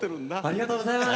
ありがとうございます！